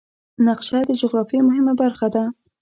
نقشه د جغرافیې مهمه برخه ده.